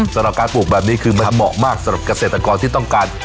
สำหรับการปลูกแบบนี้คือมันเหมาะมากสำหรับเกษตรกรที่ต้องการ